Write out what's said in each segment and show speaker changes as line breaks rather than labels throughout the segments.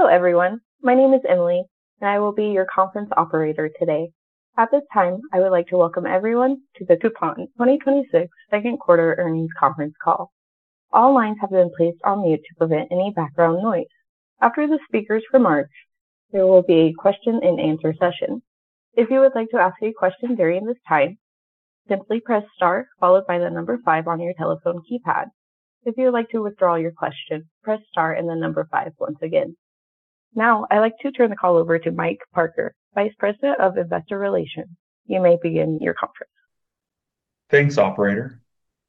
Hello, everyone. My name is Emily, and I will be your conference operator today. At this time, I would like to welcome everyone to the Coupang 2026 second quarter earnings conference call. All lines have been placed on mute to prevent any background noise. After the speakers' remarks, there will be a question and answer session. If you would like to ask a question during this time, simply press star followed by the number five on your telephone keypad. If you'd like to withdraw your question, press star and the number five once again. I'd like to turn the call over to Michael Parker, Vice President of Investor Relations. You may begin your conference.
Thanks, operator.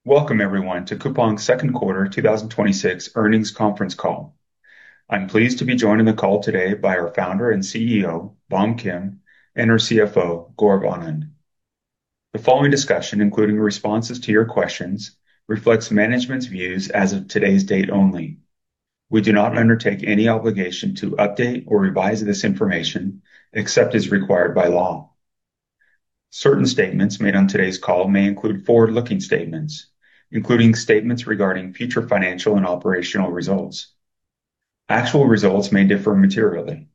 Welcome everyone to Coupang's second quarter 2026 earnings conference call. I'm pleased to be joined on the call today by our Founder and CEO, Bom Kim, and our CFO, Gaurav Anand. The following discussion, including responses to your questions, reflects management's views as of today's date only. We do not undertake any obligation to update or revise this information except as required by law. Certain statements made on today's call may include forward-looking statements, including statements regarding future financial and operational results. Actual results may differ materially.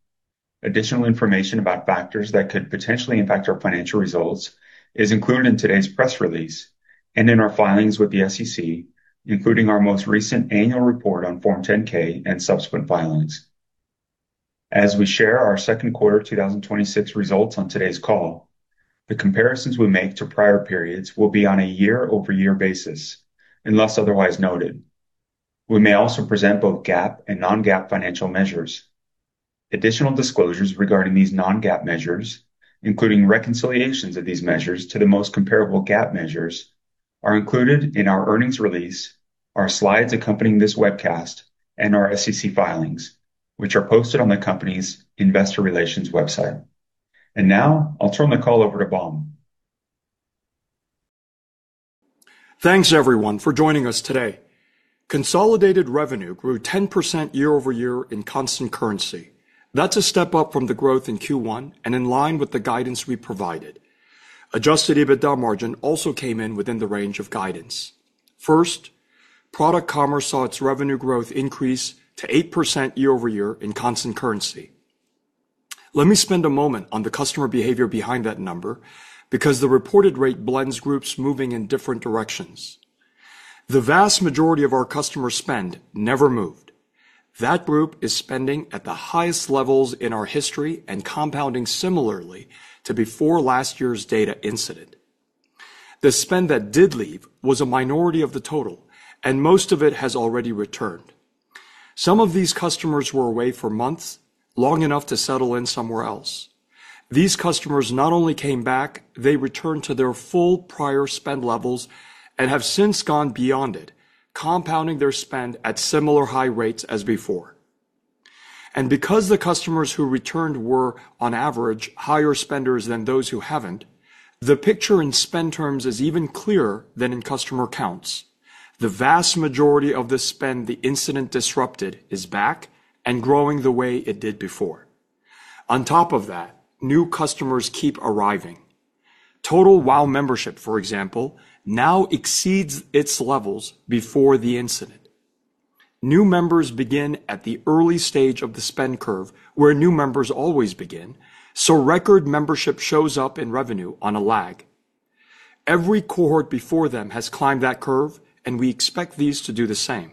Additional information about factors that could potentially impact our financial results is included in today's press release and in our filings with the SEC, including our most recent annual report on Form 10-K, and subsequent filings. As we share our second quarter 2026 results on today's call, the comparisons we make to prior periods will be on a year-over-year basis, unless otherwise noted. We may also present both GAAP and non-GAAP financial measures. Additional disclosures regarding these non-GAAP measures, including reconciliations of these measures to the most comparable GAAP measures, are included in our earnings release, our slides accompanying this webcast, and our SEC filings, which are posted on the company's investor relations website. I'll turn the call over to Bom.
Thanks, everyone, for joining us today. Consolidated revenue grew 10% year-over-year in constant currency. That's a step up from the growth in Q1 and in line with the guidance we provided. Adjusted EBITDA margin also came in within the range of guidance. First, product commerce saw its revenue growth increase to 8% year-over-year in constant currency. Let me spend a moment on the customer behavior behind that number, because the reported rate blends groups moving in different directions. The vast majority of our customer spend never moved. That group is spending at the highest levels in our history and compounding similarly to before last year's data incident. The spend that did leave was a minority of the total, and most of it has already returned. Some of these customers were away for months, long enough to settle in somewhere else. These customers not only came back, they returned to their full prior spend levels and have since gone beyond it, compounding their spend at similar high rates as before. Because the customers who returned were, on average, higher spenders than those who haven't, the picture in spend terms is even clearer than in customer counts. The vast majority of the spend the incident disrupted is back and growing the way it did before. On top of that, new customers keep arriving. Total WOW membership, for example, now exceeds its levels before the incident. New members begin at the early stage of the spend curve, where new members always begin, so record membership shows up in revenue on a lag. Every cohort before them has climbed that curve, and we expect these to do the same.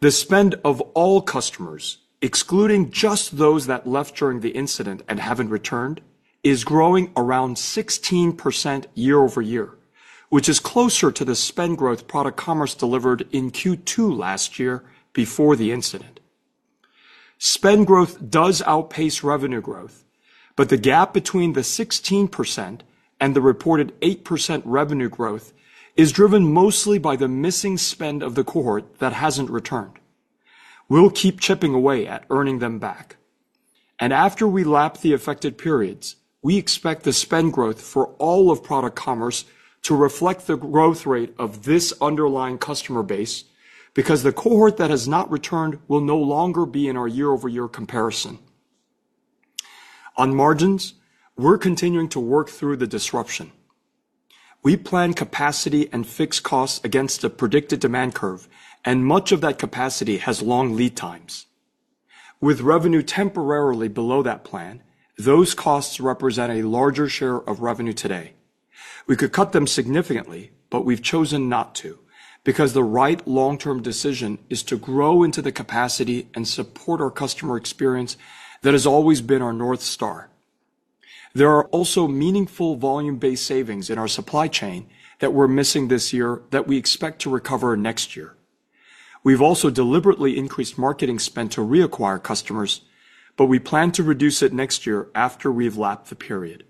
The spend of all customers, excluding just those that left during the incident and haven't returned, is growing around 16% year-over-year, which is closer to the spend growth product commerce delivered in Q2 last year before the incident. Spend growth does outpace revenue growth, but the gap between the 16% and the reported 8% revenue growth is driven mostly by the missing spend of the cohort that hasn't returned. We'll keep chipping away at earning them back. After we lap the affected periods, we expect the spend growth for all of product commerce to reflect the growth rate of this underlying customer base because the cohort that has not returned will no longer be in our year-over-year comparison. On margins, we're continuing to work through the disruption. We plan capacity and fixed costs against the predicted demand curve, and much of that capacity has long lead times. With revenue temporarily below that plan, those costs represent a larger share of revenue today. We could cut them significantly; we've chosen not to because the right long-term decision is to grow into the capacity and support our customer experience that has always been our North Star. There are also meaningful volume-based savings in our supply chain that we're missing this year that we expect to recover next year. We've also deliberately increased marketing spend to reacquire customers; we plan to reduce it next year after we've lapped the period.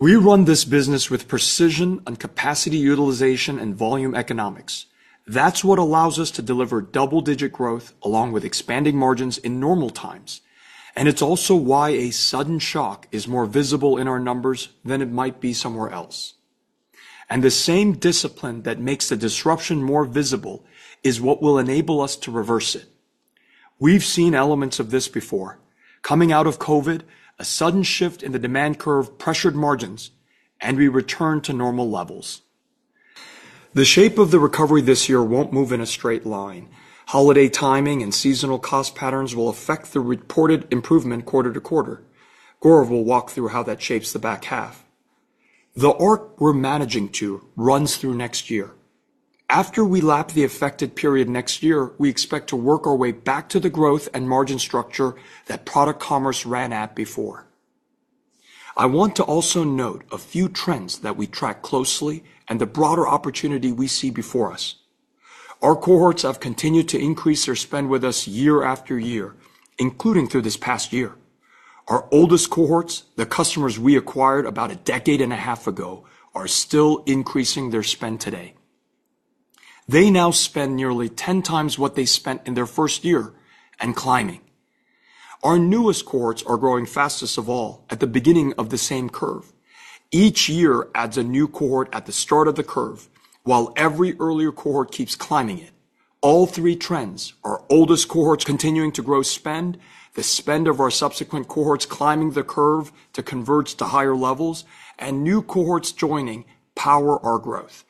We run this business with precision on capacity utilization and volume economics. That's what allows us to deliver double-digit growth along with expanding margins in normal times. It's also why a sudden shock is more visible in our numbers than it might be somewhere else. The same discipline that makes the disruption more visible is what will enable us to reverse it. We've seen elements of this before. Coming out of COVID, a sudden shift in the demand curve pressured margins, and we returned to normal levels. The shape of the recovery this year won't move in a straight line. Holiday timing and seasonal cost patterns will affect the reported improvement quarter to quarter. Gaurav will walk through how that shapes the back half. The arc we're managing to runs through next year. After we lap the affected period next year, we expect to work our way back to the growth and margin structure that product commerce ran at before. I want to also note a few trends that we track closely and the broader opportunity we see before us. Our cohorts have continued to increase their spend with us year after year, including through this past year. Our oldest cohorts, the customers we acquired about a decade and a half ago, are still increasing their spend today. They now spend nearly 10 times what they spent in their first year, and climbing. Our newest cohorts are growing fastest of all, at the beginning of the same curve. Each year adds a new cohort at the start of the curve, while every earlier cohort keeps climbing it. All three trends- our oldest cohorts continuing to grow spend, the spend of our subsequent cohorts climbing the curve to convert to higher levels, and new cohorts joining- power our growth.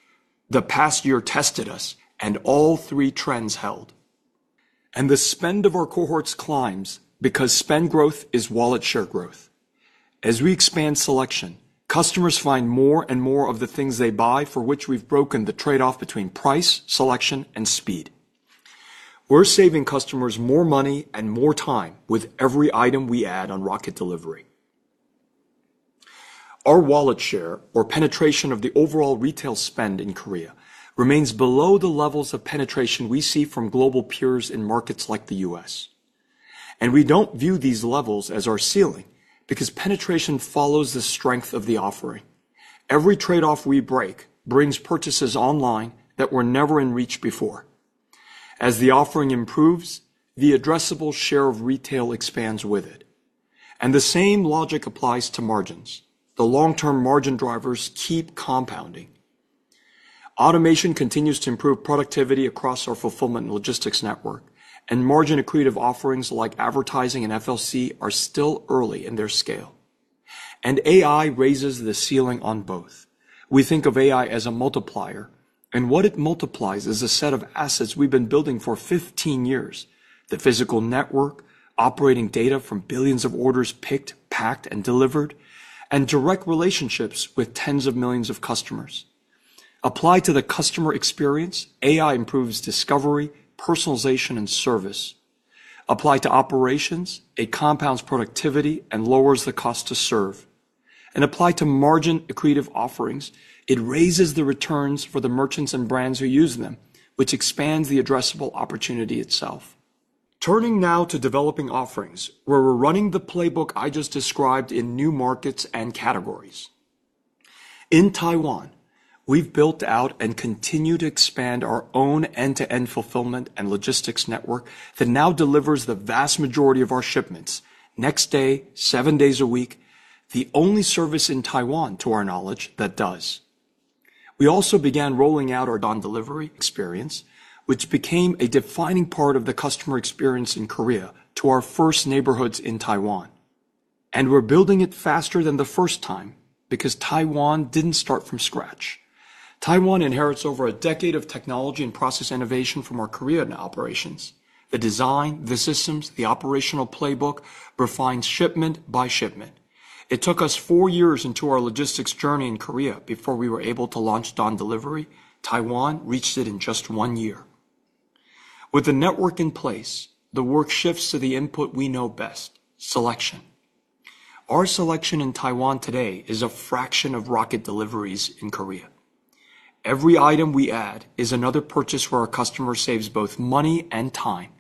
The past year tested us; all three trends held. The spend of our cohorts climbs because spend growth is wallet share growth. As we expand selection, customers find more and more of the things they buy for which we've broken the trade-off between price, selection, and speed. We're saving customers more money and more time with every item we add on Rocket Delivery. Our wallet share, or penetration of the overall retail spend in Korea, remains below the levels of penetration we see from global peers in markets like the U.S. We don't view these levels as our ceiling because penetration follows the strength of the offering. Every trade-off we break brings purchases online that were never in reach before. As the offering improves, the addressable share of retail expands with it. The same logic applies to margins. The long-term margin drivers keep compounding. Automation continues to improve productivity across our fulfillment and logistics network. Margin-accretive offerings like advertising and FLC are still early in their scale. AI raises the ceiling on both. We think of AI as a multiplier, and what it multiplies is a set of assets we've been building for 15 years. The physical network, operating data from billions of orders picked, packed, and delivered, and direct relationships with tens of millions of customers. Applied to the customer experience, AI improves discovery, personalization, and service. Applied to operations, it compounds productivity and lowers the cost to serve. Applied to margin-accretive offerings, it raises the returns for the merchants and brands who use them, which expands the addressable opportunity itself. Turning now to developing offerings, where we're running the playbook I just described in new markets and categories. In Taiwan, we've built out and continue to expand our own end-to-end fulfillment and logistics network that now delivers the vast majority of our shipments next day, seven days a week, the only service in Taiwan, to our knowledge, that does. We also began rolling out our dawn delivery experience, which became a defining part of the customer experience in Korea, to our first neighborhoods in Taiwan. We're building it faster than the first time because Taiwan didn't start from scratch. Taiwan inherits over a decade of technology and process innovation from our Korean operations. The design, the systems, the operational playbook, refined shipment by shipment. It took us four years into our logistics journey in Korea before we were able to launch dawn delivery. Taiwan reached it in just one year. With the network in place, the work shifts to the input we know best: selection. Our selection in Taiwan today is a fraction of Rocket Delivery in Korea. Every item we add is another purchase where our customer saves both money and time,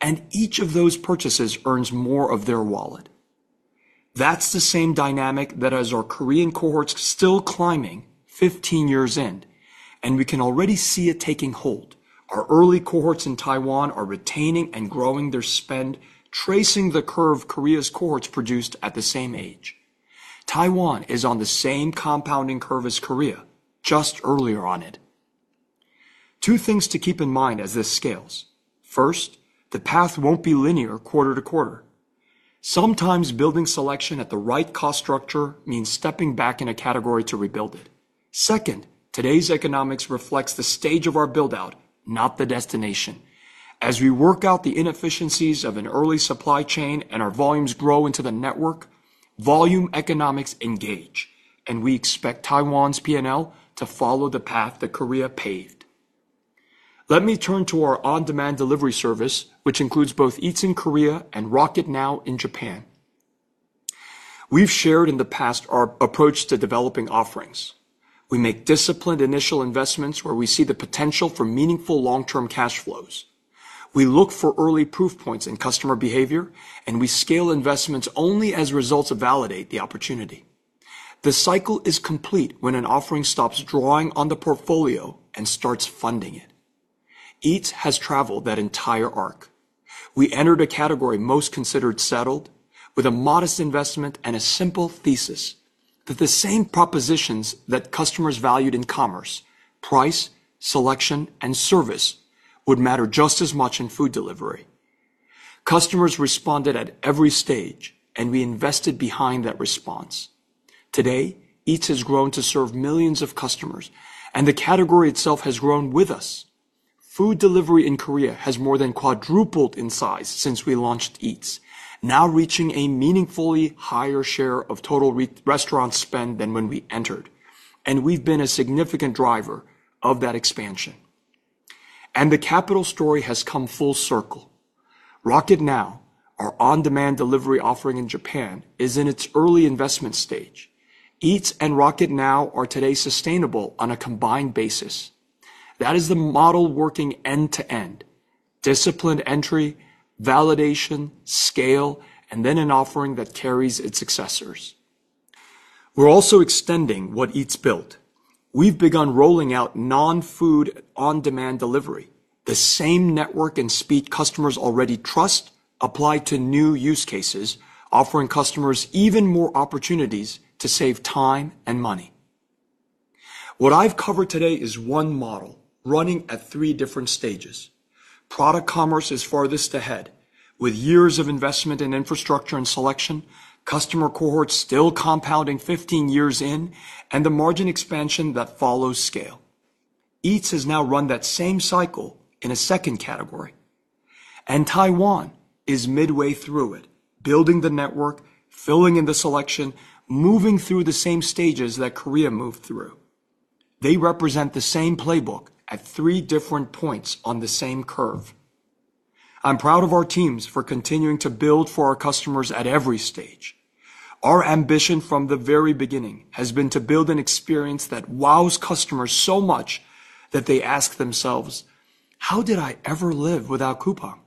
and each of those purchases earns more of their wallet. That's the same dynamic that has our Korean cohorts still climbing 15 years in, and we can already see it taking hold. Our early cohorts in Taiwan are retaining and growing their spend, tracing the curve Korea's cohorts produced at the same age. Taiwan is on the same compounding curve as Korea, just earlier on in it. Two things to keep in mind as this scales. First, the path won't be linear quarter-to-quarter. Sometimes building selection at the right cost structure means stepping back in a category to rebuild it. Second, today's economics reflects the stage of our build-out, not the destination. As we work out the inefficiencies of an early supply chain and our volumes grow into the network, volume economics engage, and we expect Taiwan's P&L to follow the path that Korea paved. Let me turn to our on-demand delivery service, which includes both Eats in Korea and Rocket Now in Japan. We've shared in the past our approach to developing offerings. We make disciplined initial investments where we see the potential for meaningful long-term cash flows. We look for early proof points in customer behavior, and we scale investments only as results validate the opportunity. The cycle is complete when an offering stops drawing on the portfolio and starts funding it. Eats has traveled that entire arc. We entered a category most considered settled with a modest investment and a simple thesis that the same propositions that customers valued in commerce- price, selection, and service- would matter just as much in food delivery. Customers responded at every stage, and we invested behind that response. Today, Eats has grown to serve millions of customers, and the category itself has grown with us. Food delivery in Korea has more than quadrupled in size since we launched Eats, now reaching a meaningfully higher share of total restaurant spend than when we entered, and we've been a significant driver of that expansion. The capital story has come full circle. Rocket Now, our on-demand delivery offering in Japan, is in its early investment stage. Eats and Rocket Now are today sustainable on a combined basis. That is the model working end to end: disciplined entry, validation, scale, then an offering that carries its successors. We're also extending what Eats built. We've begun rolling out non-food on-demand delivery. The same network and speed customers already trust apply to new use cases, offering customers even more opportunities to save time and money. What I've covered today is one model running at three different stages. Product commerce is farthest ahead, with years of investment in infrastructure and selection, customer cohorts still compounding 15 years in, and the margin expansion that follows scale. Eats has now run that same cycle in a second category. Taiwan is midway through it, building the network, filling in the selection, moving through the same stages that Korea moved through. They represent the same playbook at three different points on the same curve. I'm proud of our teams for continuing to build for our customers at every stage. Our ambition from the very beginning has been to build an experience that wows customers so much that they ask themselves, "How did I ever live without Coupang?"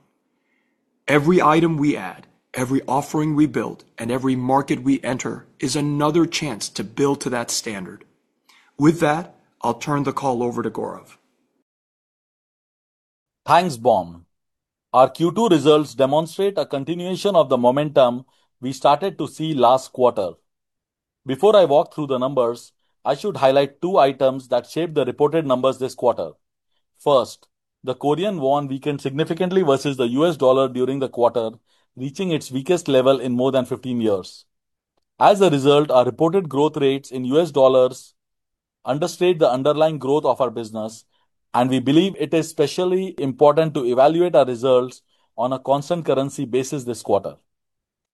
Every item we add, every offering we build, and every market we enter is another chance to build to that standard. With that, I'll turn the call over to Gaurav.
Thanks, Bom. Our Q2 results demonstrate a continuation of the momentum we started to see last quarter. Before I walk through the numbers, I should highlight two items that shaped the reported numbers this quarter. First, the Korean won weakened significantly versus the US dollar during the quarter, reaching its weakest level in more than 15 years. As a result, our reported growth rates in US dollars understate the underlying growth of our business, and we believe it is especially important to evaluate our results on a constant currency basis this quarter.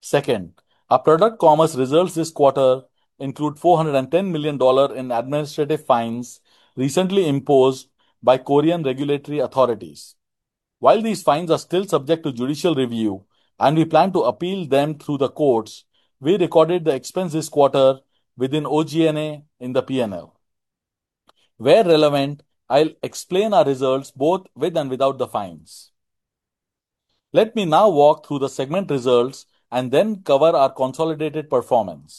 Second, our product commerce results this quarter include $410 million in administrative fines recently imposed by Korean regulatory authorities. While these fines are still subject to judicial review and we plan to appeal them through the courts, we recorded the expense this quarter within OG&A in the P&L. Where relevant, I'll explain our results both with and without the fines. Let me now walk through the segment results and then cover our consolidated performance.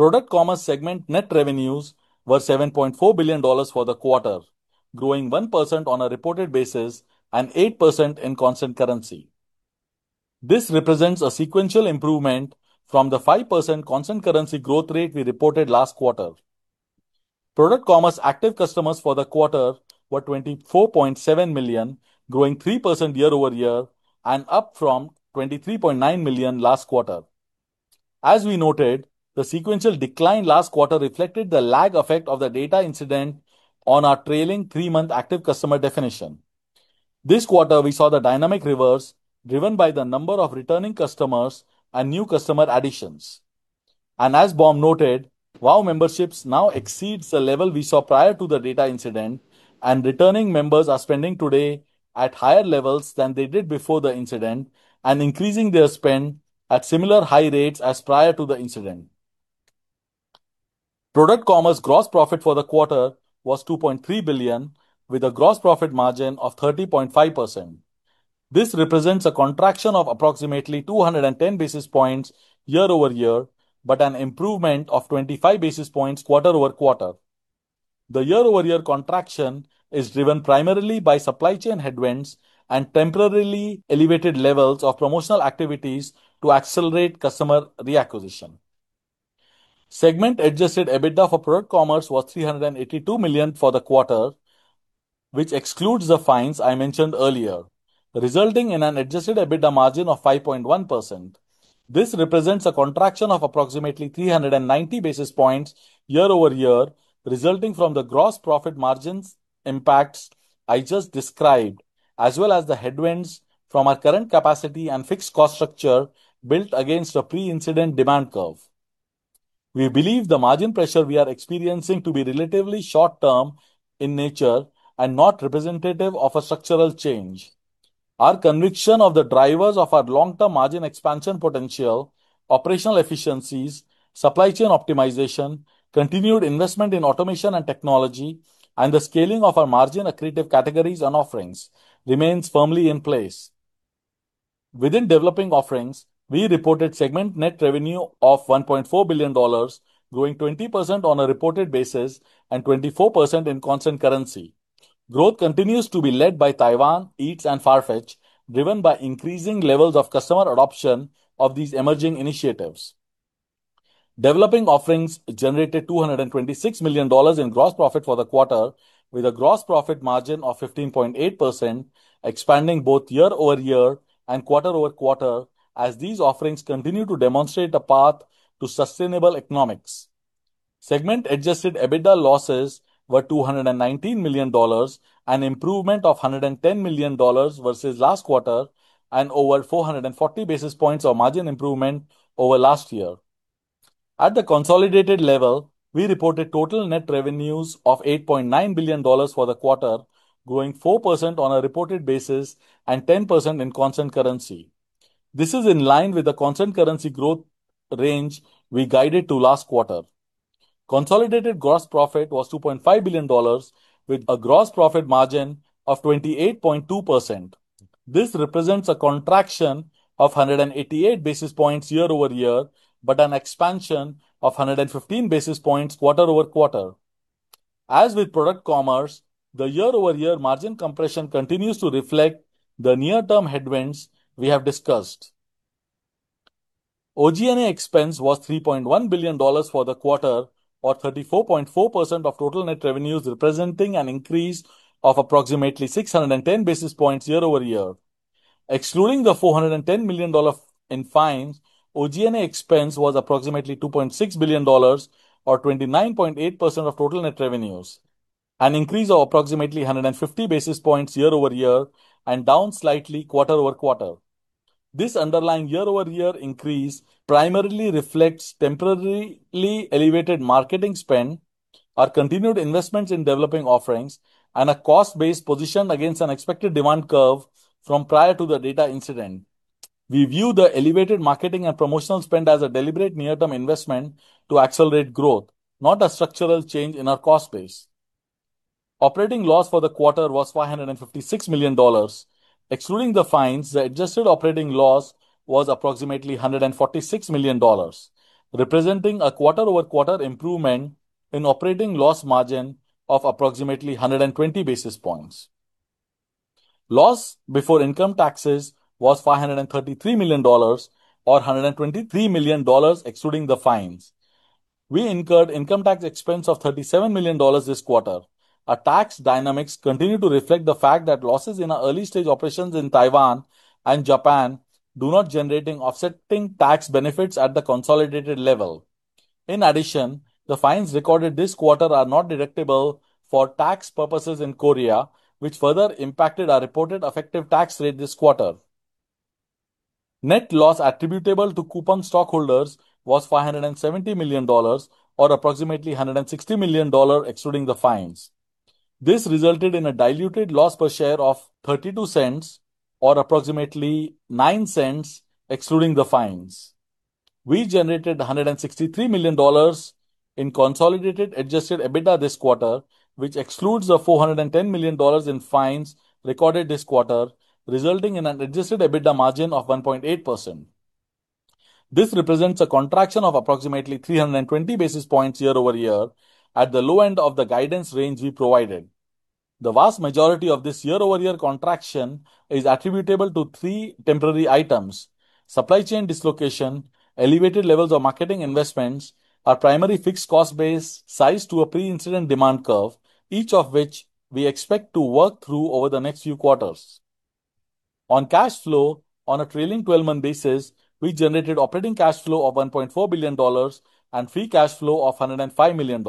Product commerce segment net revenues were $7.4 billion for the quarter, growing 1% on a reported basis and 8% in constant currency. This represents a sequential improvement from the 5% constant currency growth rate we reported last quarter. Product commerce active customers for the quarter were 24.7 million, growing 3% year-over-year and up from 23.9 million last quarter. As we noted, the sequential decline last quarter reflected the lag effect of the data incident on our trailing three-month active customer definition. This quarter, we saw the dynamic reverse driven by the number of returning customers and new customer additions. As Bom noted, WOW memberships now exceed the level we saw prior to the data incident, and returning members are spending today at higher levels than they did before the incident and increasing their spend at similar high rates as prior to the incident. Product commerce gross profit for the quarter was $2.3 billion, with a gross profit margin of 30.5%. This represents a contraction of approximately 210 basis points year-over-year, but an improvement of 25 basis points quarter-over-quarter. The year-over-year contraction is driven primarily by supply chain headwinds and temporarily elevated levels of promotional activities to accelerate customer reacquisition. Segment adjusted EBITDA for product commerce was $382 million for the quarter, which excludes the fines I mentioned earlier, resulting in an adjusted EBITDA margin of 5.1%. This represents a contraction of approximately 390 basis points year-over-year, resulting from the gross profit margin impacts I just described, as well as the headwinds from our current capacity and fixed cost structure built against a pre-incident demand curve. We believe the margin pressure we are experiencing to be relatively short-term in nature and not representative of a structural change. Our conviction of the drivers of our long-term margin expansion potential- operational efficiencies, supply chain optimization, continued investment in automation and technology, and the scaling of our margin-accretive categories and offerings remains firmly in place. Within Developing offerings, we reported segment net revenue of $1.4 billion, growing 20% on a reported basis and 24% in constant currency. Growth continues to be led by Taiwan, Eats, and Farfetch, driven by increasing levels of customer adoption of these emerging initiatives. Developing offerings generated $226 million in gross profit for the quarter, with a gross profit margin of 15.8%, expanding both year-over-year and quarter-over-quarter as these offerings continue to demonstrate a path to sustainable economics. Segment-adjusted EBITDA losses were $219 million, an improvement of $110 million versus last quarter, and over 440 basis points of margin improvement over last year. At the consolidated level, we reported total net revenues of $8.9 billion for the quarter, growing 4% on a reported basis and 10% in constant currency. This is in line with the constant currency growth range we guided to last quarter. Consolidated gross profit was $2.5 billion with a gross profit margin of 28.2%. This represents a contraction of 188 basis points year-over-year, but an expansion of 115 basis points quarter-over-quarter. As with product commerce, the year-over-year margin compression continues to reflect the near-term headwinds we have discussed. OG&A expense was $3.1 billion for the quarter, or 34.4% of total net revenues, representing an increase of approximately 610 basis points year-over-year. Excluding the $410 million in fines, OG&A expense was approximately $2.6 billion, or 29.8% of total net revenues, an increase of approximately 150 basis points year-over-year, and down slightly quarter-over-quarter. This underlying year-over-year increase primarily reflects temporarily elevated marketing spend, our continued investments in Developing offerings, and a cost-based position against an expected demand curve from prior to the data incident. We view the elevated marketing and promotional spend as a deliberate near-term investment to accelerate growth, not a structural change in our cost base. Operating loss for the quarter was $556 million. Excluding the fines, the adjusted operating loss was approximately $146 million, representing a quarter-over-quarter improvement in operating loss margin of approximately 120 basis points. Loss before income taxes was $533 million, or $123 million excluding the fines. We incurred income tax expense of $37 million this quarter. Our tax dynamics continue to reflect the fact that losses in our early-stage operations in Taiwan and Japan do not generating offsetting tax benefits at the consolidated level. In addition, the fines recorded this quarter are not deductible for tax purposes in Korea, which further impacted our reported effective tax rate this quarter. Net loss attributable to Coupang stockholders was $570 million, or approximately $160 million excluding the fines. This resulted in a diluted loss per share of $0.32, or approximately $0.09 excluding the fines. We generated $163 million in consolidated adjusted EBITDA this quarter, which excludes the $410 million in fines recorded this quarter, resulting in an adjusted EBITDA margin of 1.8%. This represents a contraction of approximately 320 basis points year-over-year at the low end of the guidance range we provided. The vast majority of this year-over-year contraction is attributable to three temporary items: supply chain dislocation, elevated levels of marketing investments, our primary fixed cost base sized to a pre-incident demand curve, each of which we expect to work through over the next few quarters. On cash flow, on a trailing 12-month basis, we generated operating cash flow of $1.4 billion and free cash flow of $105 million.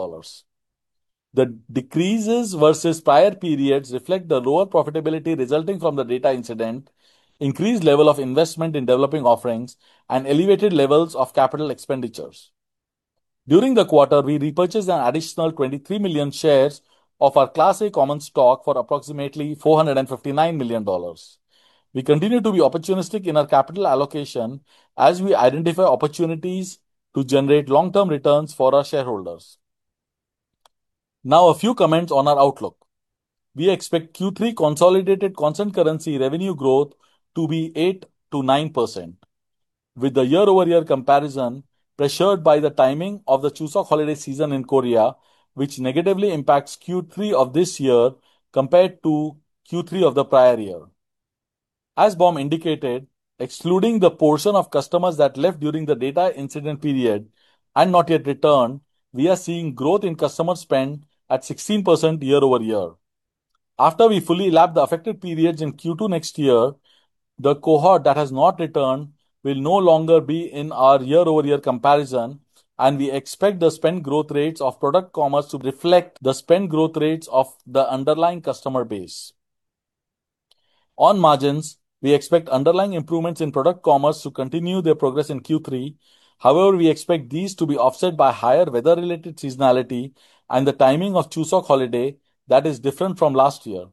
The decreases versus prior periods reflect the lower profitability resulting from the data incident, increased level of investment in developing offerings, and elevated levels of capital expenditures. During the quarter, we repurchased an additional 23 million shares of our Class A common stock for approximately $459 million. We continue to be opportunistic in our capital allocation as we identify opportunities to generate long-term returns for our shareholders. A few comments on our outlook. We expect Q3 consolidated constant currency revenue growth to be 8%-9%, with the year-over-year comparison pressured by the timing of the Chuseok holiday season in Korea, which negatively impacts Q3 of this year compared to Q3 of the prior year. As Bom indicated, excluding the portion of customers that left during the data incident period and not yet returned, we are seeing growth in customer spend at 16% year-over-year. After we fully lap the affected periods in Q2 next year, the cohort that has not returned will no longer be in our year-over-year comparison, and we expect the spend growth rates of product commerce to reflect the spend growth rates of the underlying customer base. On margins, we expect underlying improvements in product commerce to continue their progress in Q3. However, we expect these to be offset by higher weather-related seasonality and the timing of Chuseok holiday that is different from last year.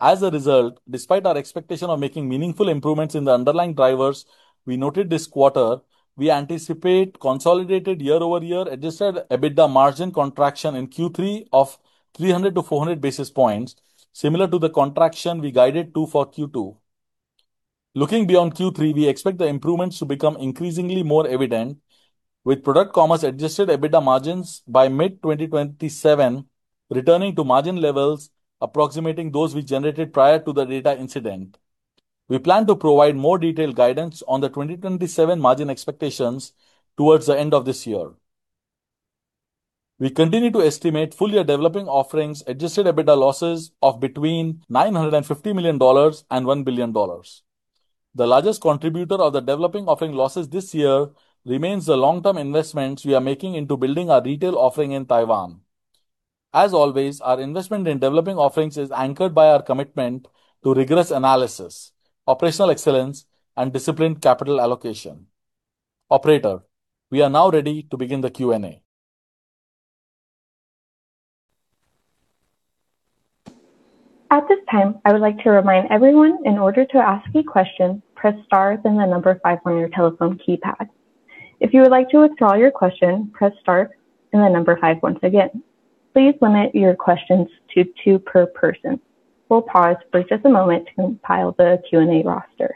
As a result, despite our expectation of making meaningful improvements in the underlying drivers we noted this quarter, we anticipate consolidated year-over-year adjusted EBITDA margin contraction in Q3 of 300 to 400 basis points, similar to the contraction we guided to for Q2. Looking beyond Q3, we expect the improvements to become increasingly more evident, with product commerce-adjusted EBITDA margins by mid-2027 returning to margin levels approximating those we generated prior to the data incident. We plan to provide more detailed guidance on the 2027 margin expectations towards the end of this year. We continue to estimate full-year developing offerings adjusted EBITDA losses of between $950 million and $1 billion. The largest contributor of the developing offering losses this year remains the long-term investments we are making into building our retail offering in Taiwan. As always, our investment in developing offerings is anchored by our commitment to rigorous analysis, operational excellence, and disciplined capital allocation. Operator, we are now ready to begin the Q&A.
At this time, I would like to remind everyone, in order to ask a question, press star, then the number five on your telephone keypad. If you would like to withdraw your question, press star, then the number five once again. Please limit your questions to two per person. We'll pause for just a moment to compile the Q&A roster.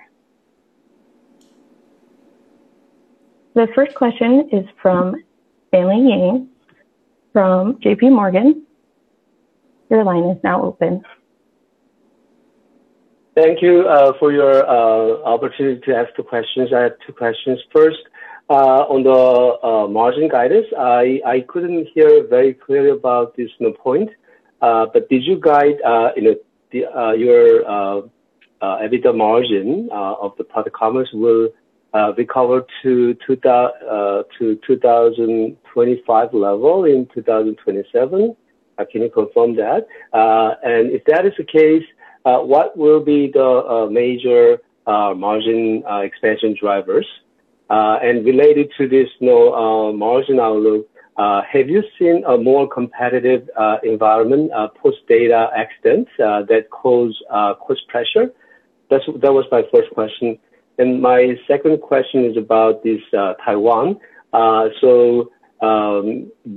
The first question is from Stanley Yang from JPMorgan. Your line is now open.
Thank you for your opportunity to ask two questions. I have two questions. First, on the margin guidance, I couldn't hear very clearly about this new point. Did you guide your EBITDA margin of the product commerce will recover to 2025 level in 2027? Can you confirm that? If that is the case, what will be the major margin expansion drivers? Related to this margin outlook, have you seen a more competitive environment post-data accidents that cause cost pressure? That was my first question. My second question is about this Taiwan. Do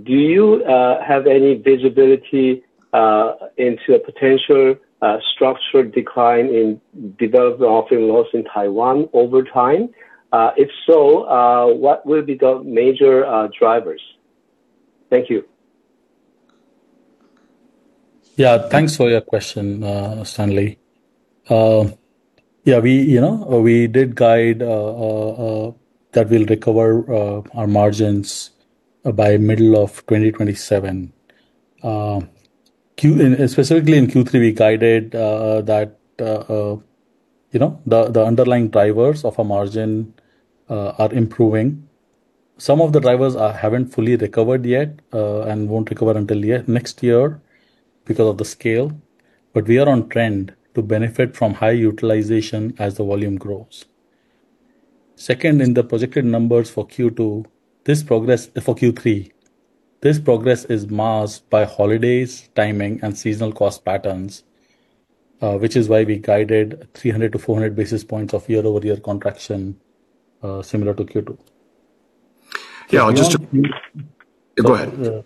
you have any visibility into a potential structural decline in developing offering loss in Taiwan over time? If so, what will be the major drivers? Thank you.
Thanks for your question, Stanley. We did guide that we'll recover our margins by middle of 2027. Specifically in Q3, we guided that the underlying drivers of our margin are improving. Some of the drivers haven't fully recovered yet, and won't recover until next year because of the scale. We are on trend to benefit from high utilization as the volume grows. Second, in the projected numbers for Q3, this progress is masked by holidays, timing, and seasonal cost patterns, which is why we guided 300 to 400 basis points of year-over-year contraction, similar to Q2.
Yeah. Go ahead.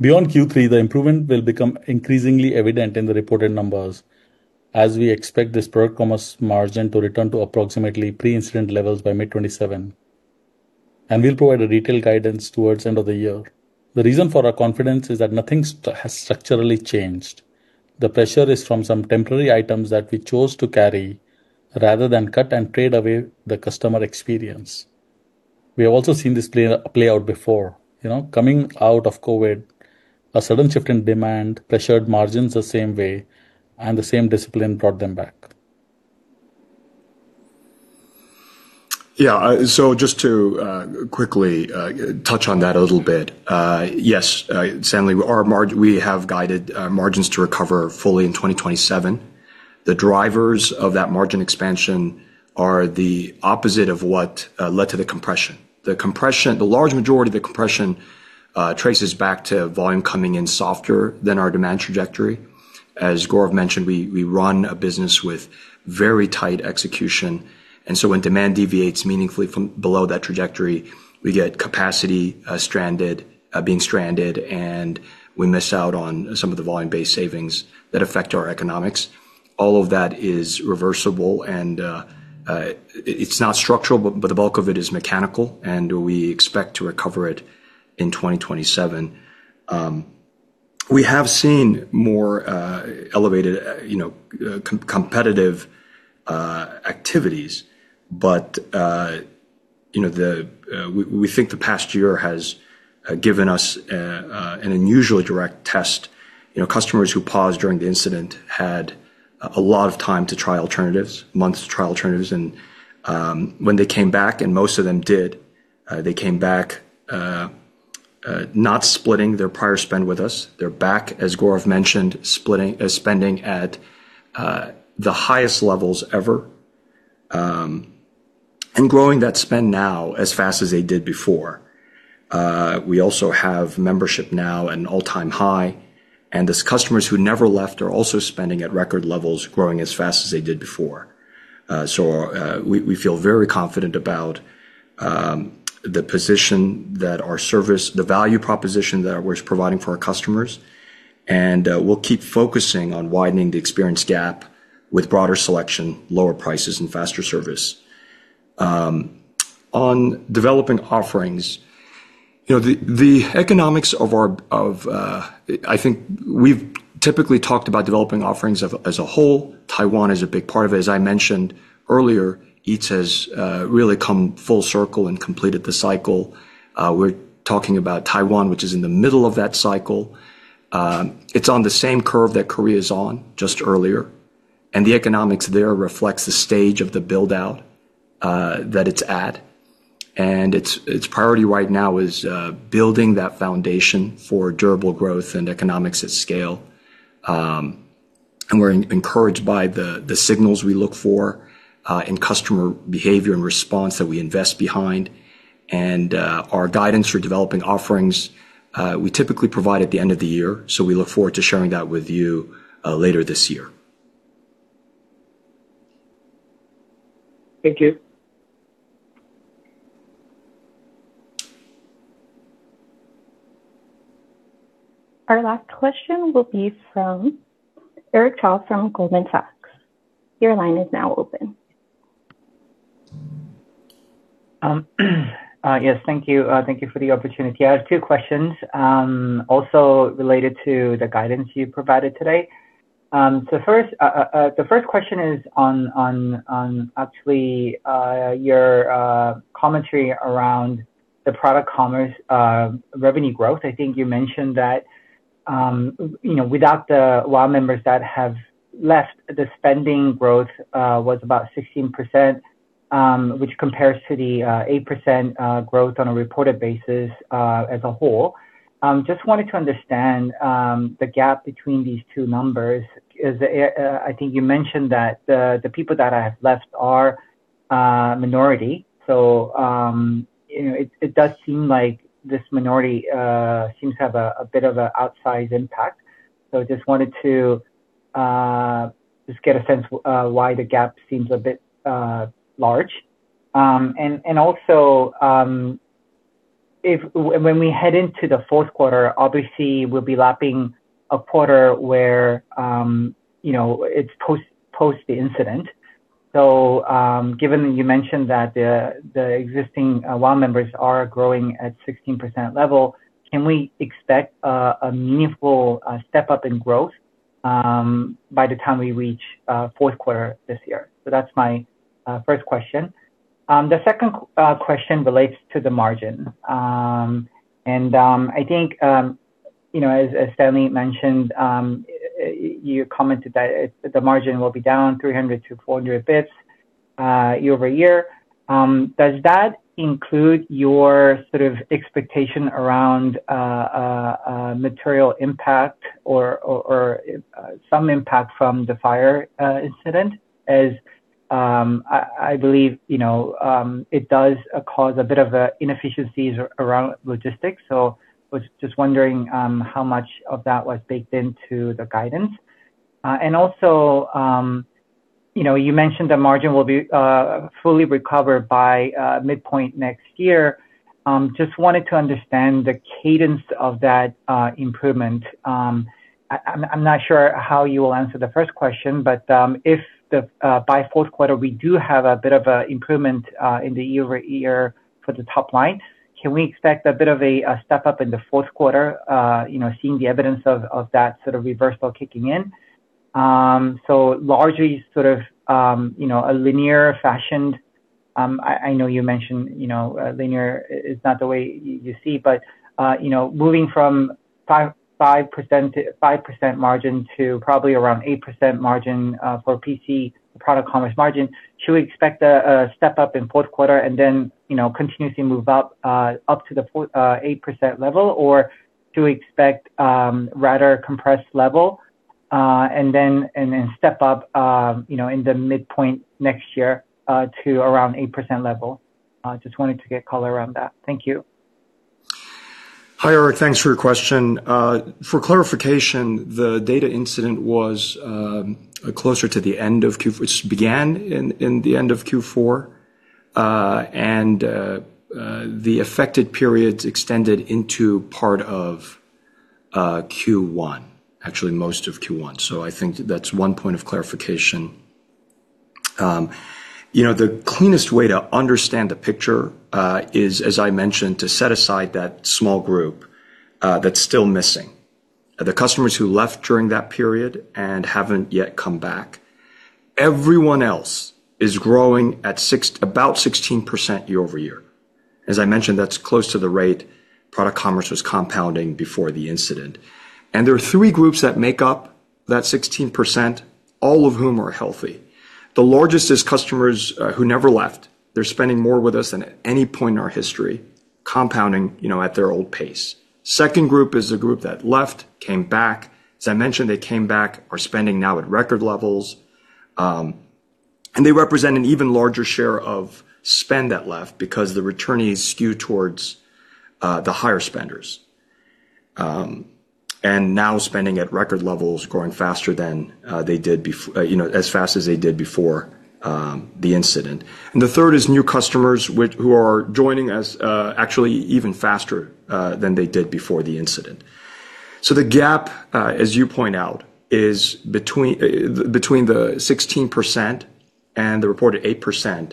Beyond Q3, the improvement will become increasingly evident in the reported numbers as we expect this product commerce margin to return to approximately pre-incident levels by mid 2027. We will provide detailed guidance towards the end of the year. The reason for our confidence is that nothing has structurally changed. The pressure is from some temporary items that we chose to carry rather than cut and trade away the customer experience. We have also seen this play out before. Coming out of COVID, a sudden shift in demand pressured margins the same way, and the same discipline brought them back.
Yeah. Just to quickly touch on that a little bit. Yes, Stanley, we have guided margins to recover fully in 2027. The drivers of that margin expansion are the opposite of what led to the compression. The large majority of the compression traces back to volume coming in softer than our demand trajectory. As Gaurav mentioned, we run a business with very tight execution, and so when demand deviates meaningfully from below that trajectory, we get capacity being stranded, and we miss out on some of the volume-based savings that affect our economics. All of that is reversible, and it's not structural, but the bulk of it is mechanical, and we expect to recover it in 2027. We have seen more elevated competitive activities, but we think the past year has given us an unusually direct test. Customers who paused during the incident had a lot of time to try alternatives- months to try alternatives. When they came back, and most of them did, they came back not splitting their prior spend with us. They're back, as Gaurav mentioned, spending at the highest levels ever, and growing that spend now as fast as they did before. We also have membership now at an all-time high. These customers who never left are also spending at record levels, growing as fast as they did before. We feel very confident about the position that our service, the value proposition that we're providing for our customers. We'll keep focusing on widening the experience gap with broader selection, lower prices, and faster service. On developing offerings. I think we've typically talked about developing offerings as a whole. Taiwan is a big part of it. As I mentioned earlier, Eats has really come full circle and completed the cycle. We're talking about Taiwan, which is in the middle of that cycle. It's on the same curve that Korea's on, just earlier. The economics there reflect the stage of the build-out that it's at. Its priority right now is building that foundation for durable growth and economics at scale. We're encouraged by the signals we look for in customer behavior and response that we invest behind. Our guidance for developing offerings we typically provide at the end of the year. We look forward to sharing that with you later this year.
Thank you.
Our last question will be from Eric Cha from Goldman Sachs. Your line is now open.
Yes, thank you. Thank you for the opportunity. I have two questions, also related to the guidance you provided today. The first question is on actually your commentary around the product commerce revenue growth. I think you mentioned that without the WOW members that have left, the spending growth was about 16%, which compares to the 8% growth on a reported basis as a whole. Just wanted to understand the gap between these two numbers, because I think you mentioned that the people that have left are a minority. It does seem like this minority seems to have a bit of an outsized impact. Just wanted to just get a sense why the gap seems a bit large. Also, when we head into the fourth quarter, obviously we'll be lapping a quarter where it's post the incident. Given that you mentioned that the existing WOW members are growing at 16% level, can we expect a meaningful step-up in growth by the time we reach fourth quarter this year? That's my first question. The second question relates to the margin. I think, as Stanley mentioned, you commented that the margin will be down 300 to 400 basis points year-over-year. Does that include your sort of expectation around a material impact or some impact from the fire incident? As I believe it does cause a bit of inefficiency around logistics. Was just wondering how much of that was baked into the guidance. Also, you mentioned the margin will be fully recovered by the midpoint next year. Just wanted to understand the cadence of that improvement. I'm not sure how you will answer the first question, if by fourth quarter we do have a bit of a improvement in the year-over-year for the top line, can we expect a bit of a step-up in the fourth quarter, seeing the evidence of that sort of reversal kicking in? Largely sort of a linear fashion. I know you mentioned linear is not the way you see it, but moving from 5% margin to probably around 8% margin for PC, product commerce margin, should we expect a step-up in fourth quarter and then continuously move up to the 8% level? Or do we expect a rather compressed level and then step up in the midpoint next year to around 8% level? Just wanted to get color around that. Thank you.
Hi, Eric. Thanks for your question. For clarification, the data incident was closer to the end of which began in the end of Q4. The affected periods extended into part of Q1, actually most of Q1. I think that's one point of clarification. The cleanest way to understand the picture is, as I mentioned, to set aside that small group that's still missing. The customers who left during that period and haven't yet come back. Everyone else is growing at about 16% year-over-year. As I mentioned, that's close to the rate product commerce was compounding before the incident. There are three groups that make up that 16%, all of whom are healthy. The largest is customers who never left. They're spending more with us than at any point in our history, compounding at their old pace. Second group is the group that left, came back. As I mentioned, they came back, are spending now at record levels. They represent an even larger share of spend that left because the returnees skew towards the higher spenders. Now spending at record levels, growing as fast as they did before the incident. The third is new customers who are joining us actually even faster than they did before the incident. The gap, as you point out, between the 16% and the reported 8%,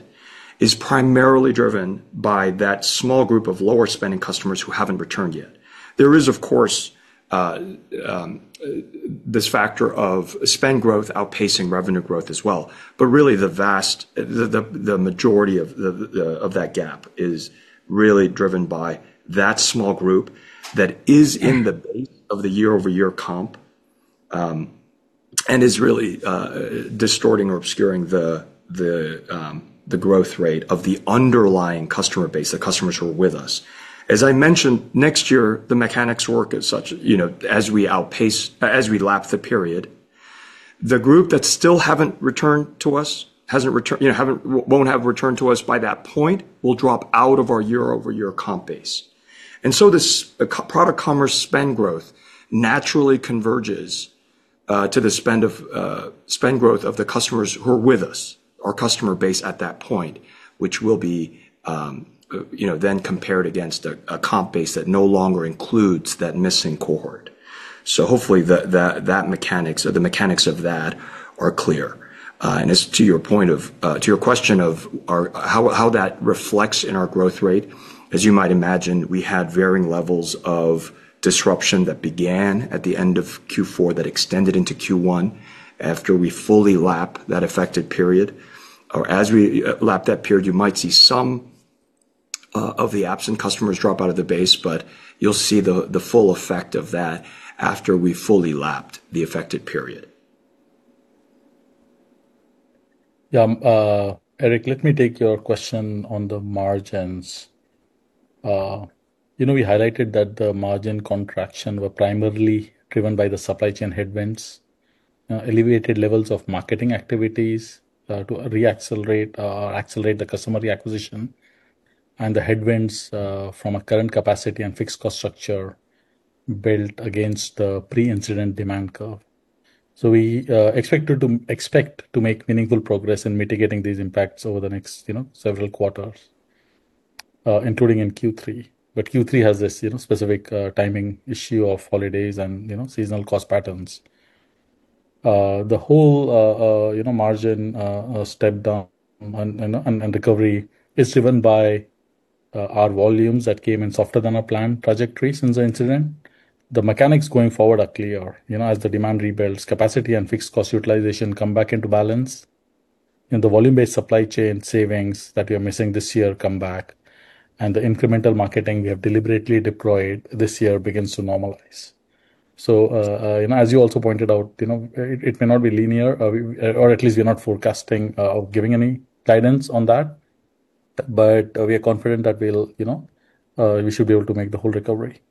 is primarily driven by that small group of lower-spending customers who haven't returned yet. There is, of course, this factor of spend growth outpacing revenue growth as well. Really, the majority of that gap is really driven by that small group that is in the base of the year-over-year comp, and is really distorting or obscuring the growth rate of the underlying customer base, the customers who are with us. As I mentioned, next year, the mechanics work as such, as we lap the period. The group that won't have returned to us by that point will drop out of our year-over-year comp base. This product commerce spend growth naturally converges to the spend growth of the customers who are with us, our customer base at that point, which will be then compared against a comp base that no longer includes that missing cohort. Hopefully, the mechanics of that are clear. As to your question of how that reflects in our growth rate, as you might imagine, we had varying levels of disruption that began at the end of Q4, that extended into Q1. After we fully lap that affected period, or as we lap that period, you might see some of the absent customers drop out of the base, but you'll see the full effect of that after we fully lapped the affected period.
Yeah. Eric, let me take your question on the margins. We highlighted that the margin contraction were primarily driven by the supply chain headwinds, elevated levels of marketing activities to re-accelerate or accelerate the customer reacquisition, and the headwinds from current capacity and fixed cost structure built against the pre-incident demand curve. We expect to make meaningful progress in mitigating these impacts over the next several quarters, including in Q3. Q3 has this specific timing issue of holidays and seasonal cost patterns. The whole margin step-down and recovery is driven by our volumes that came in softer than our planned trajectory since the incident. The mechanics going forward are clear. As the demand rebuilds, capacity and fixed cost utilization come back into balance, and the volume-based supply chain savings that we are missing this year come back, and the incremental marketing we have deliberately deployed this year begins to normalize. As you also pointed out, it may not be linear, or at least we're not forecasting or giving any guidance on that. We are confident that we should be able to make the whole recovery.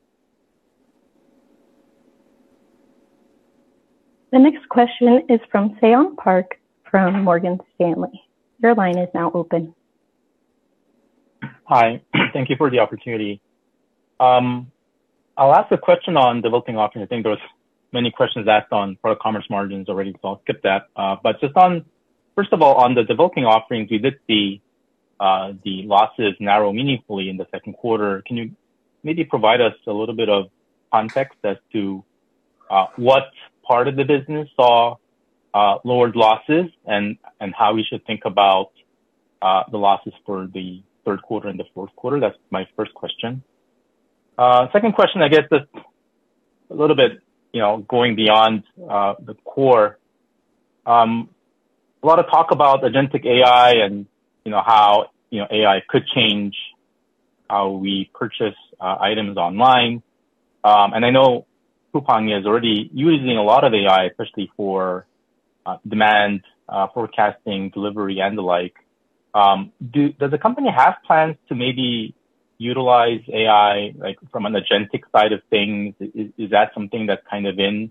The next question is from Seyon Park from Morgan Stanley. Your line is now open.
Hi. Thank you for the opportunity. I'll ask a question on developing offerings. I think there were many questions asked on product commerce margins already, so I'll skip that. Just on, first of all, on developing offerings, we did see the losses narrow meaningfully in the second quarter. Can you maybe provide us a little bit of context as to what part of the business saw lowered losses and how we should think about the losses for the third quarter and the fourth quarter? That's my first question. Second question, I guess, is a little bit going beyond the core. A lot of talk about agentic AI and how AI could change how we purchase items online. I know Coupang is already using a lot of AI, especially for demand forecasting, delivery, and the like. Does the company have plans to maybe utilize AI from an agentic side of things? Is that something that's kind of in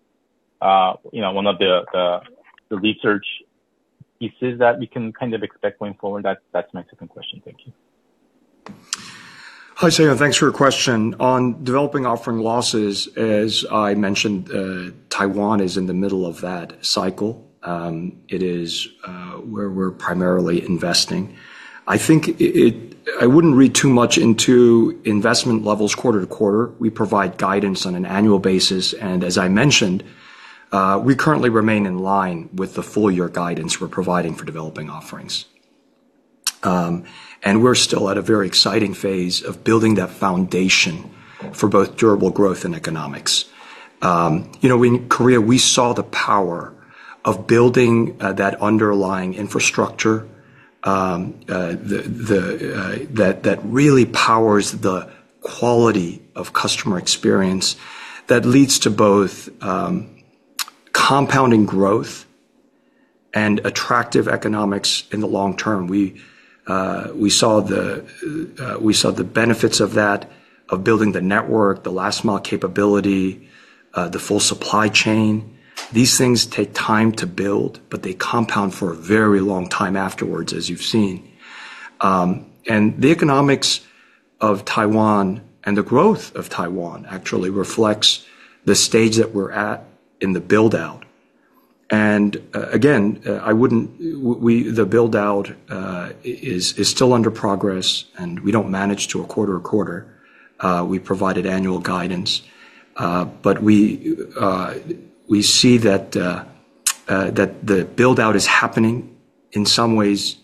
one of the research pieces that we can kind of expect going forward? That's my second question. Thank you.
Hi, Seyon. Thanks for your question. On developing offering losses, as I mentioned, Taiwan is in the middle of that cycle. It is where we're primarily investing. I wouldn't read too much into investment levels quarter to quarter. We provide guidance on an annual basis. As I mentioned, we currently remain in line with the full-year guidance we're providing for developing offerings. We're still at a very exciting phase of building that foundation for both durable growth and economics. In Korea, we saw the power of building that underlying infrastructure that really powers the quality of customer experience that leads to both compounding growth and attractive economics in the long term. We saw the benefits of that, of building the network, the last-mile capability, the full supply chain. These things take time to build, but they compound for a very long time aftewards, as you've seen. The economics of Taiwan and the growth of Taiwan actually reflects the stage that we're at in the build-out. Again, the build-out is still under progress, and we don't manage to a quarter. We provided annual guidance. We see that the build-out is happening in some ways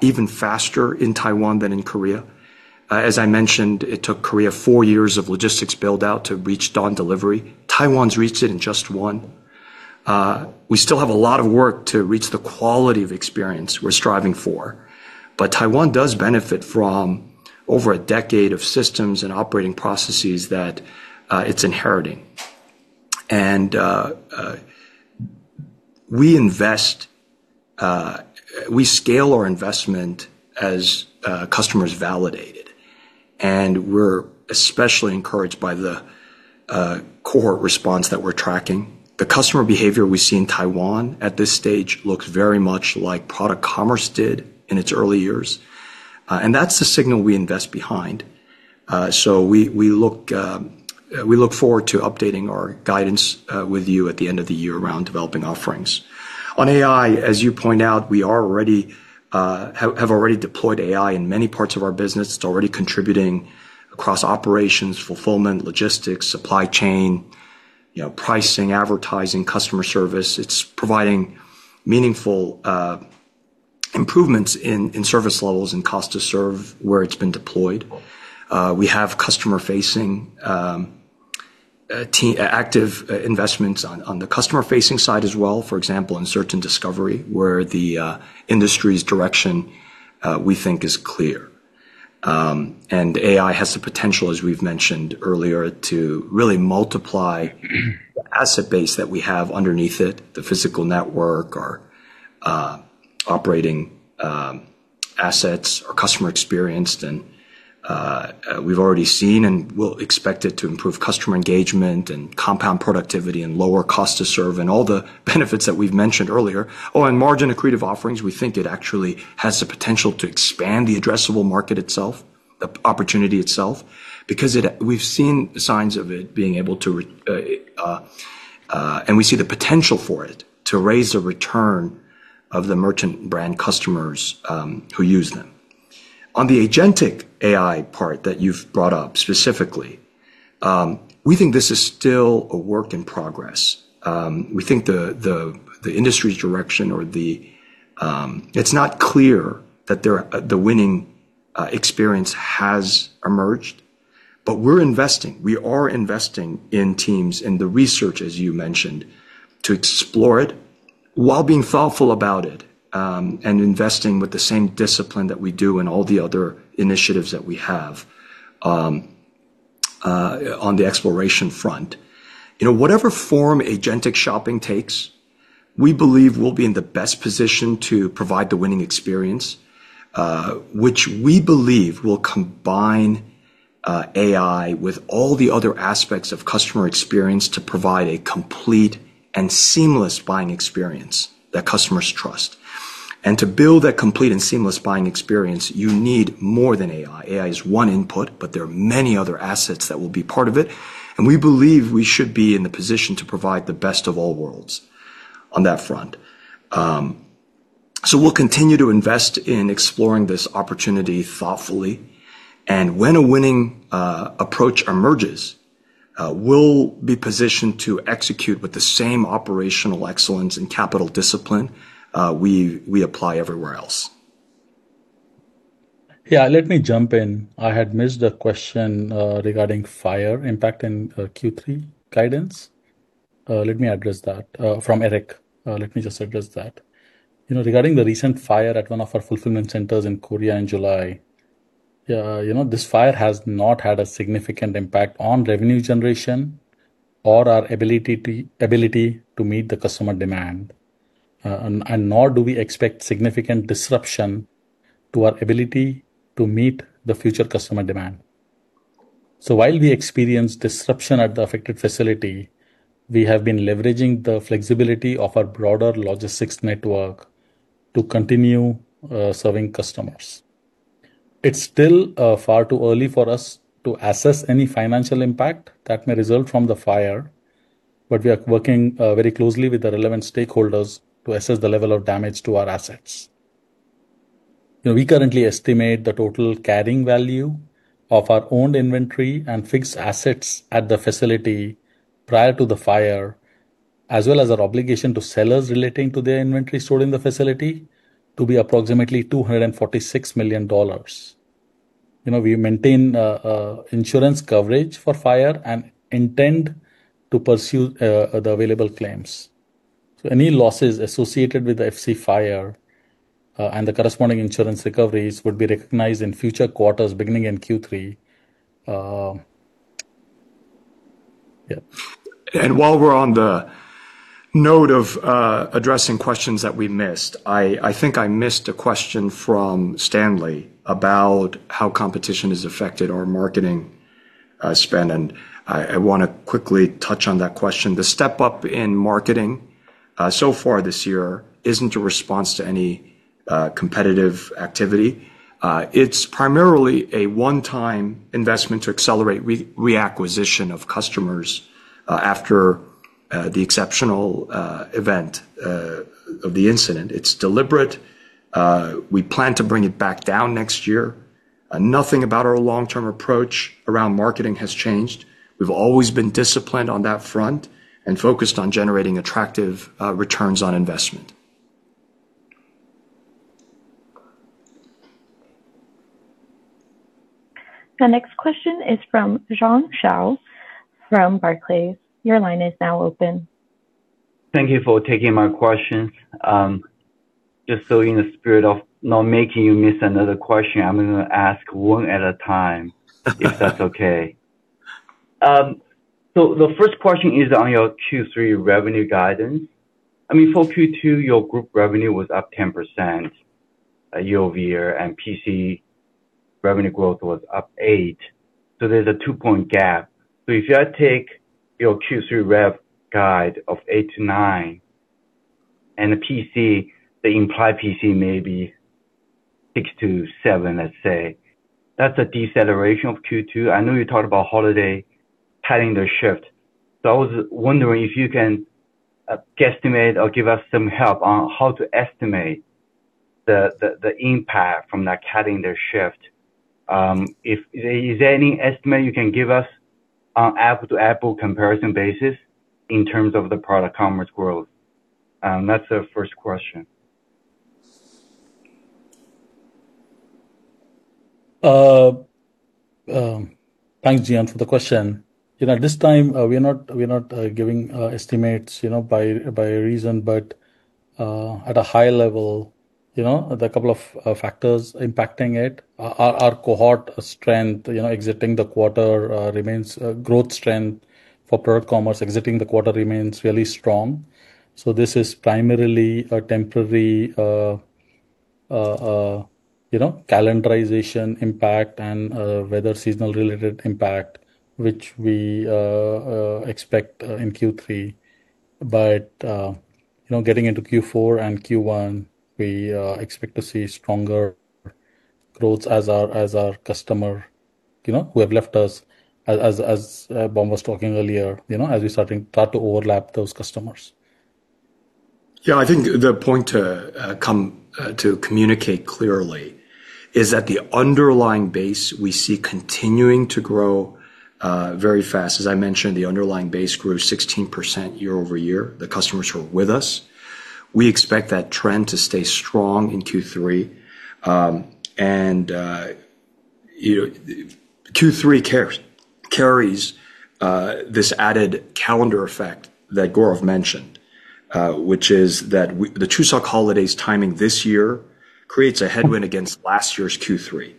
even faster in Taiwan than in Korea. As I mentioned, it took Korea four years of logistics build-out to reach dawn delivery. Taiwan's reached it in just one. We still have a lot of work to reach the quality of experience we're striving for. Taiwan does benefit from over a decade of systems and operating processes that it's inheriting. We scale our investment as customers validate it. We're especially encouraged by the cohort response that we're tracking. The customer behavior we see in Taiwan at this stage looks very much like product commerce did in its early years. That's the signal we invest behind. We look forward to updating our guidance with you at the end of the year around developing offerings. On AI, as you point out, we have already deployed AI in many parts of our business. It's already contributing across operations, fulfillment, logistics, supply chain, pricing, advertising, customer service. It's providing meaningful improvements in service levels and cost to serve where it's been deployed. We have active investments on the customer-facing side as well, for example, in search and discovery, where the industry's direction, we think, is clear. AI has the potential, as we've mentioned earlier, to really multiply the asset base that we have underneath it, the physical network, our operating assets, our customer experience. We've already seen, and we'll expect it to improve customer engagement and compound productivity and lower cost to serve and all the benefits that we've mentioned earlier. Margin-accretive offerings, we think it actually has the potential to expand the addressable market itself, the opportunity itself, because we've seen signs of it. We see the potential for it to raise the return of the merchant brand customers who use them. On the agentic AI part that you've brought up specifically, we think this is still a work in progress. We think the industry's direction or the- it's not clear that the winning experience has emerged. We're investing. We are investing in teams, in the research, as you mentioned, to explore it while being thoughtful about it, and investing with the same discipline that we do in all the other initiatives that we have on the exploration front. Whatever form agentic shopping takes, we believe we'll be in the best position to provide the winning experience, which we believe will combine AI with all the other aspects of customer experience to provide a complete and seamless buying experience that customers trust. To build that complete and seamless buying experience, you need more than AI. AI is one input, but there are many other assets that will be part of it, and we believe we should be in the position to provide the best of all worlds on that front. We'll continue to invest in exploring this opportunity thoughtfully. When a winning approach emerges, we'll be positioned to execute with the same operational excellence and capital discipline we apply everywhere else.
Yeah, let me jump in. I had missed a question regarding fire impact in Q3 guidance. Let me address that. From Eric. Let me just address that. Regarding the recent fire at one of our fulfillment centers in Korea in July, this fire has not had a significant impact on revenue generation or our ability to meet customer demand. Nor do we expect significant disruption to our ability to meet future customer demand. While we experienced disruption at the affected facility, we have been leveraging the flexibility of our broader logistics network to continue serving customers. It's still far too early for us to assess any financial impact that may result from the fire, but we are working very closely with the relevant stakeholders to assess the level of damage to our assets. We currently estimate the total carrying value of our owned inventory and fixed assets at the facility prior to the fire, as well as our obligation to sellers relating to their inventory stored in the facility, to be approximately $246 million. We maintain insurance coverage for fire and intend to pursue the available claims. Any losses associated with the FC fire, and the corresponding insurance recoveries, would be recognized in future quarters beginning in Q3. Yeah.
While we're on the note of addressing questions that we missed, I think I missed a question from Stanley about how competition has affected our marketing spend, and I want to quickly touch on that question. The step-up in marketing so far this year isn't a response to any competitive activity. It's primarily a one-time investment to accelerate reacquisition of customers after the exceptional event of the incident. It's deliberate. We plan to bring it back down next year. Nothing about our long-term approach around marketing has changed. We've always been disciplined on that front and focused on generating attractive returns on investment.
The next question is from Jiong Shao from Barclays. Your line is now open.
Thank you for taking my questions. Just so you know, in the spirit of not making you miss another question, I'm going to ask one at a time- if that's okay. The first question is on your Q3 revenue guidance. I mean, for Q2, your group revenue was up 10% year-over-year, and PC revenue growth was up 8%. There's a two-point gap. If you had to take your Q3 rev guide of 8% to 9%, and the implied PC may be 6% to 7%, let's say, that's a deceleration of Q2. I know you talked about holiday timing the shift. I was wondering if you can guesstimate or give us some help on how to estimate the impact from that Chuseok shift. Is there any estimate you can give us on apple-to-apple comparison basis in terms of the product commerce growth? That's the first question.
Thanks, Jiong, for the question. At this time, we're not giving estimates by reason, but at a high level, there are a couple of factors impacting it. Our cohort strength exiting the quarter remains growth strength. For product commerce, exiting the quarter remains really strong. This is primarily a temporary calendarization impact and weather seasonal-related impact, which we expect in Q3. Getting into Q4 and Q1, we expect to see stronger growth as our customer, who have left us, as Bom was talking earlier, as we start to overlap those customers.
I think the point to communicate clearly is that the underlying base we see continuing to grow very fast. As I mentioned, the underlying base grew 16% year-over-year, the customers who are with us. We expect that trend to stay strong in Q3. Q3 carries this added calendar effect that Gaurav mentioned, which is that the Chuseok holiday's timing this year creates a headwind against last year's Q3.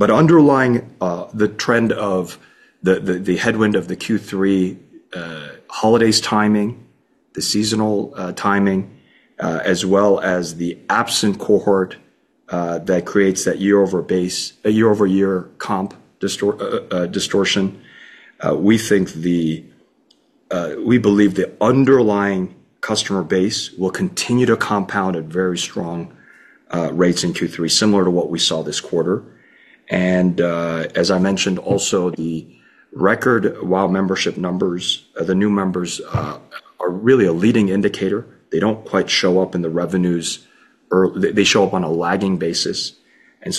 Underlying the trend of the headwind of the Q3 holidays timing, the seasonal timing, as well as the absent cohort that creates that year-over-year comp distortion, we believe the underlying customer base will continue to compound at very strong rates in Q3, similar to what we saw this quarter. As I mentioned also, the record WOW membership numbers- the new members are really a leading indicator. They don't quite show up in the revenues, or they show up on a lagging basis.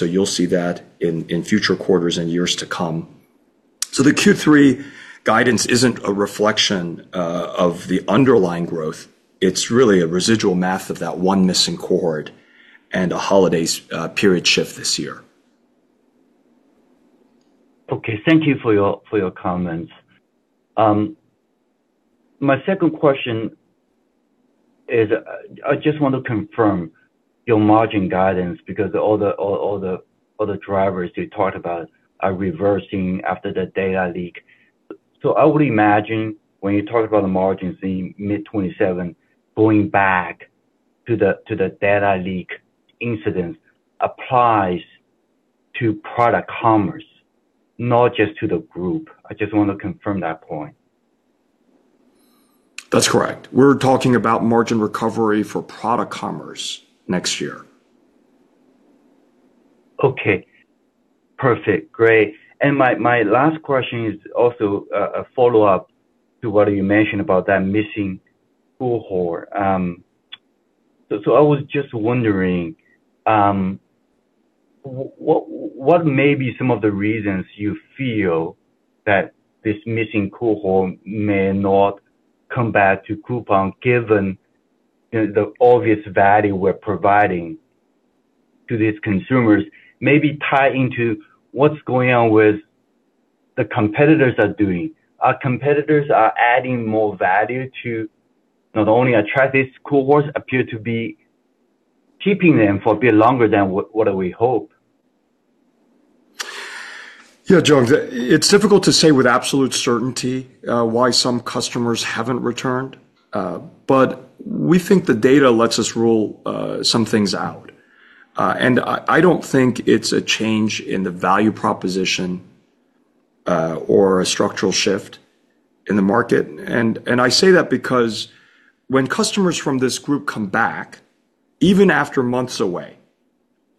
You'll see that in future quarters and years to come. The Q3 guidance isn't a reflection of the underlying growth. It's really a residual math of that one missing cohort and a holiday period shift this year.
Okay, thank you for your comments. My second question is I just want to confirm your margin guidance because all the other drivers you talked about are reversing after the data leak. I would imagine when you talk about the margins in mid 2027, going back to the data leak incident applies to product commerce, not just to the group. I just want to confirm that point.
That's correct. We're talking about margin recovery for product commerce next year.
Okay. Perfect. Great. My last question is also a follow-up to what you mentioned about that missing cohort. I was just wondering, what may be some of the reasons you feel that this missing cohort may not come back to Coupang, given the obvious value we're providing to these consumers? Maybe tie into what's going on with the competitors are doing. Our competitors are adding more value to not only attract these cohorts, appear to be keeping them for a bit longer than what we hope.
Yeah, Jiong, it's difficult to say with absolute certainty why some customers haven't returned. We think the data lets us rule some things out. I don't think it's a change in the value proposition or a structural shift in the market. I say that because when customers from this group come back, even after months away,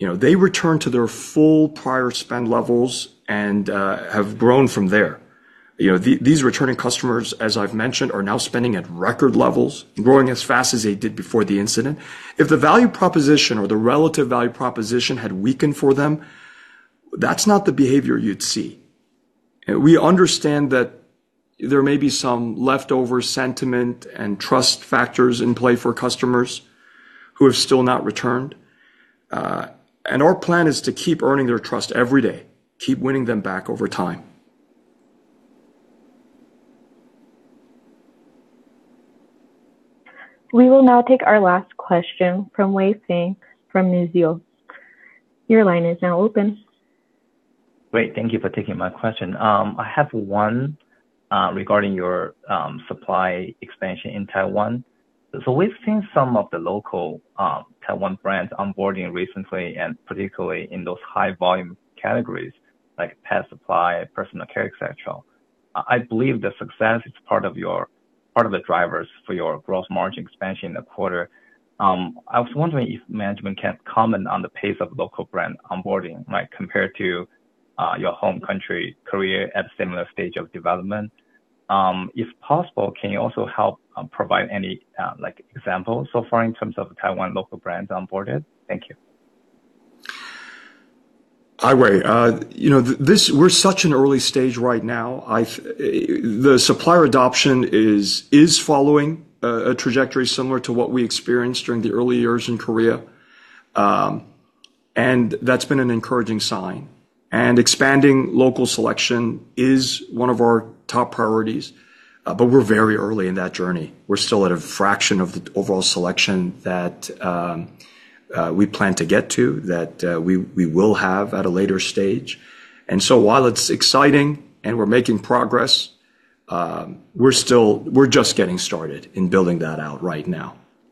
they return to their full prior spend levels and have grown from there. These returning customers, as I've mentioned, are now spending at record levels, growing as fast as they did before the incident. If the value proposition or the relative value proposition had weakened for them, that's not the behavior you'd see. We understand that there may be some leftover sentiment and trust factors in play for customers who have still not returned. Our plan is to keep earning their trust every day, keep winning them back over time.
We will now take our last question from Wei Fang from Mizuho. Your line is now open.
Great. Thank you for taking my question. I have one regarding your supply expansion in Taiwan. We've seen some of the local Taiwan brands onboarding recently, and particularly in those high-volume categories like pet supply, personal care, et cetera. I believe the success is part of the drivers for your gross margin expansion in the quarter. I was wondering if management can comment on the pace of local brand onboarding, compared to your home country, Korea, at a similar stage of development. If possible, can you also help provide any examples so far in terms of Taiwan local brands onboarded? Thank you.
Hi, Wei. We're such an early stage right now. The supplier adoption is following a trajectory similar to what we experienced during the early years in Korea. That's been an encouraging sign. Expanding local selection is one of our top priorities, but we're very early in that journey. We're still at a fraction of the overall selection that we plan to get to, that we will have at a later stage. While it's exciting and we're making progress, we're just getting started in building that out right now.